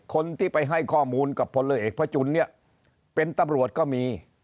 คนที่ไปให้ข้อมูลกับพลเอกพระจุลเนี่ยเป็นตำรวจก็มี